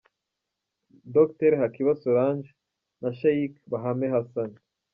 Dr Hakiba Solange na Sheick Bahame Hassan